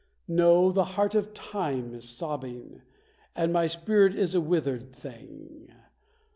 No, the heart of Time is sobbing, and my spirit is a withered thing!